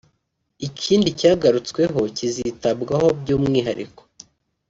Ikindi cyagarutsweho kizitabwaho by’umwihariko